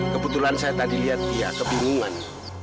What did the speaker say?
kebetulan saya tadi lihat dia kebingungan